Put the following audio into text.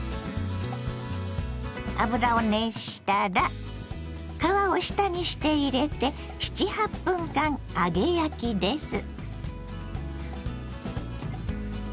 油を熱したら皮を下にして入れて７８分間揚げ焼きです。